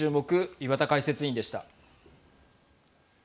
岩田解説委員でした。